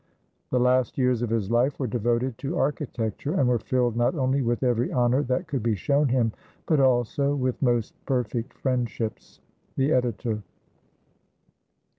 The last years of his life were devoted to architecture, and were filled not only with every honor that could be shown him, but also with most perfect friendships. The Editor.